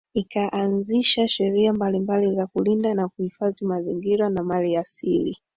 Ikaanzisha sheria mbalimbali za kulinda na kuhifadhi mazingira na mali asili